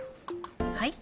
はい？